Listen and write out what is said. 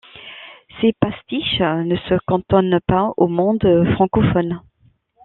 Ces pastiches ne se cantonnent pas au monde francophone.